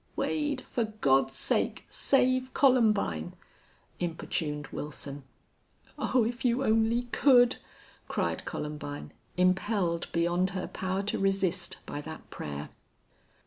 "Wade, for God's sake save Columbine!" importuned Wilson. "Oh, if you only could!" cried Columbine, impelled beyond her power to resist by that prayer.